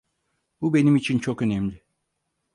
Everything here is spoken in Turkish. Bu benim için çok önemli.